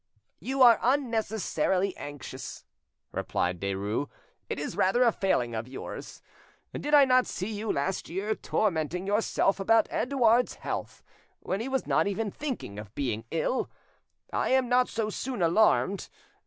"You are unnecessarily anxious," replied Derues; "it is rather a failing of yours. Did I not see you last year tormenting yourself about Edouard's health, when he was not even thinking of being ill? I am not so soon alarmed.